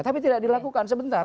tapi tidak dilakukan sebentar